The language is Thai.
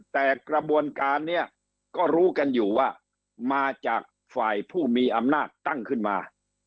แต่กระบวนการเนี่ยก็รู้กันอยู่ว่ามาจากฝ่ายผู้มีอำนาจตั้งขึ้นมา